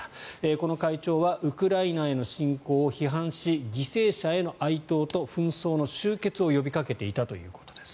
この会長はウクライナへの侵攻を批判し犠牲者への哀悼と紛争の終結を呼びかけていたということです。